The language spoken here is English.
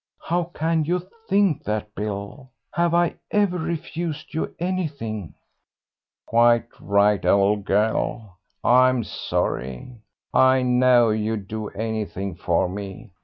"How can you think that, Bill? Have I ever refused you anything?" "Quite right, old girl, I'm sorry. I know you'd do anything for me.